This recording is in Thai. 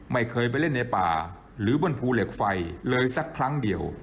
ไม่เคยไปเล่นในป่าหรือบนภูเหล็กไฟเลยสักครั้งเดียว